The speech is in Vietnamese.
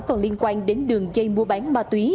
còn liên quan đến đường dây mua bán ma túy